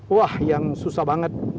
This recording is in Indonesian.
wah yang susah banget